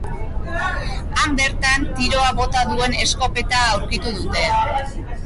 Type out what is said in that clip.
Han bertan tiroa bota duen eskopeta aurkitu dute.